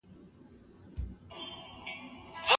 راځئ چي د خپل هېواد لپاره په ګډه کار وکړو.